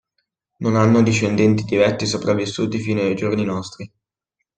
Non hanno discendenti diretti sopravvissuti fino ai giorni nostri.